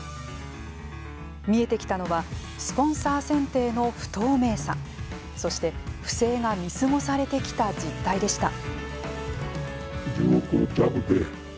見えてきたのはスポンサー選定の不透明さそして、不正が見過ごされてきた実態でした。